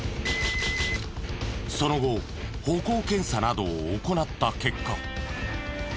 その後歩行検査などを行った結果。